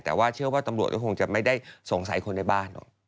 แต่เชื่อว่าตำรวจน่ายมักจะไม่ได้สงสัยคนในบ้าน